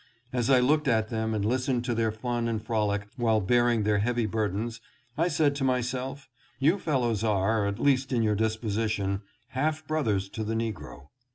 As I looked at them and listened to their fun and frolic while bearing their heavy burdens, I said to myself : "You fellows are, at least in your disposition, half brothers to the negro."